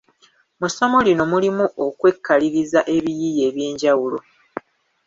Mu ssomo lino mulimu okwekaliriza ebiyiiye eby’enjawulo.